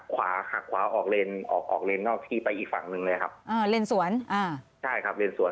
ไปอีกฝั่งหนึ่งเลยครับอ่าเล่นสวนอ่าใช่ครับเล่นสวน